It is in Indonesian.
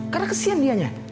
karena kesian dianya